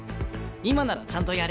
今ならちゃんとやれる。